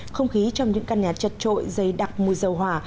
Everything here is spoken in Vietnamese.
không khí trong những căn nhà chật trội dày đặc mùi dầu hỏa